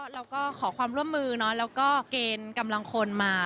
เราก็ขอความร่วมมือแล้วก็เกณฑ์กำลังคนมา